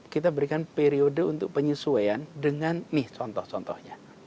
kita berikan periode untuk penyesuaian dengan nih contoh contohnya